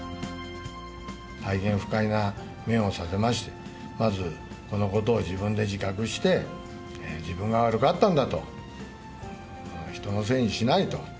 大変不快な念をさせまして、まずこのことを自分で自覚して、自分が悪かったんだと、人のせいにしないと。